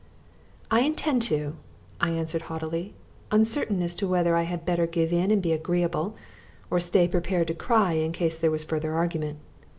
"I intend to," I answered haughtily, uncertain as to whether I had better give in and be agreeable, or stay prepared to cry in case there was further argument.